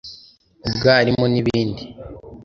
ubwarimu n’ibindi